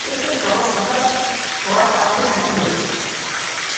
এত সহজে হতাশ হওয়ার পাত্রী আমি নই।